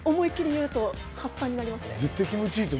思い切り言うと発散になりますね。